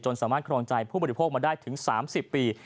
สามารถครองใจผู้บริโภคมาได้ถึง๓๐ปี